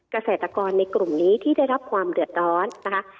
เกษตรกรในกลุ่มนี้ที่ได้รับความเดือดร้อนนะคะ